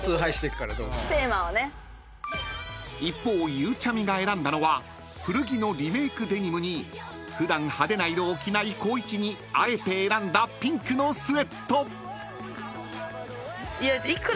［一方ゆうちゃみが選んだのは古着のリメイクデニムに普段派手な色を着ない光一にあえて選んだピンクのスウェット］１個だけ言っていいですか。